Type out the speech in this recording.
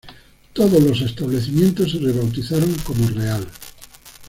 Todos los establecimientos se rebautizaron como Real.